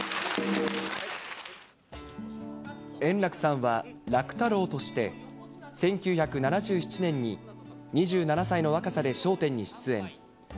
円楽さんは楽太郎として、１９７７年に、２７歳の若さで笑点に出演。